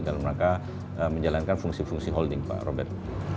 dalam rangka menjalankan fungsi fungsi holding pak robert